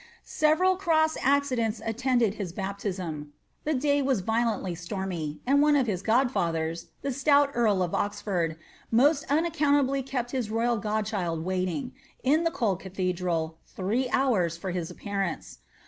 Several cross accidents attended hia baptism i tlie day was violently stormy, ond one of his gndfaihers, tha tlDul lairi ('{ Oxford, most uiiaccounlabh kept hb royal godchild waiting, in iJie cold cathedral, three hours for nis appearance.